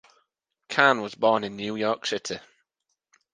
Kahn was born in New York City.